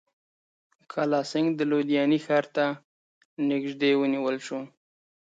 کالاسینګهـ د لودیانې ښار ته نیژدې ونیول شو.